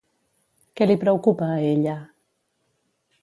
Què li preocupa a ella?